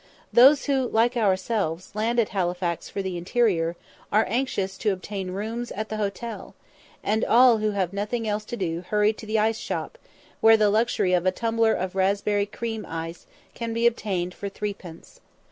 Those who, like ourselves, land at Halifax for the interior, are anxious to obtain rooms at the hotel, and all who have nothing else to do hurry to the ice shop, where the luxury of a tumbler of raspberry cream ice can be obtained for threepence.